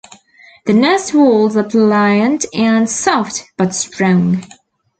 The nest walls are pliant and soft but strong.